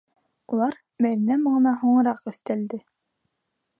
Улар Мәҙинә моңона һуңыраҡ өҫтәлде.